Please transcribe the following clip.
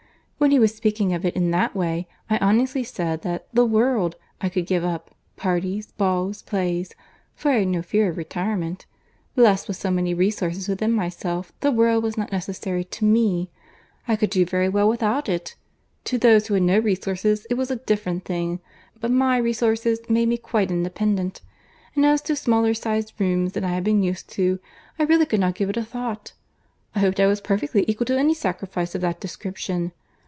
When he was speaking of it in that way, I honestly said that the world I could give up—parties, balls, plays—for I had no fear of retirement. Blessed with so many resources within myself, the world was not necessary to me. I could do very well without it. To those who had no resources it was a different thing; but my resources made me quite independent. And as to smaller sized rooms than I had been used to, I really could not give it a thought. I hoped I was perfectly equal to any sacrifice of that description.